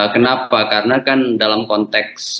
kenapa karena kan dalam konteks